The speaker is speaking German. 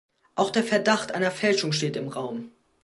Auch der Verdacht einer Fälschung steht im Raum.